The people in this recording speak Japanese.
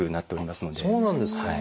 そうなんですか。